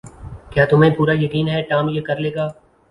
کیا تمہیں پورا یقین ہے کہ ٹام یہ کر لے گا؟